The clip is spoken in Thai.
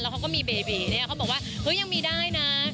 เขาก็มีเบบีเนี่ยเขาบอกว่าเฮ้ยยังมีได้นะ